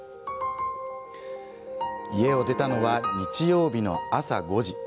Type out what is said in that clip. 家を出たのは、日曜日の朝５時。